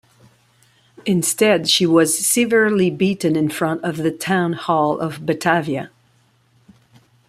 Instead she was severely beaten in front of the Town Hall of Batavia.